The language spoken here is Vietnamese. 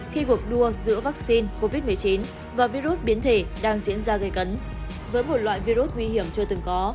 khi cuộc đua giữa vaccine covid một mươi chín và virus biến thể đang diễn ra gây cấn với một loại virus nguy hiểm chưa từng có